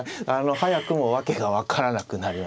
早くも訳が分からなくなりました。